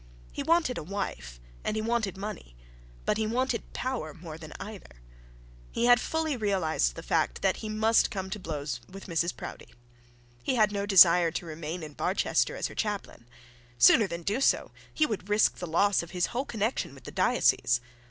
He wanted a wife, and he wanted money, but he wanted power more than either. He had fully realised the fact that he must come to blows with Mrs Proudie. He had no desire to remain in Barchester as her chaplain. Sooner than do so, he would risk the loss of his whole connection with the diocese.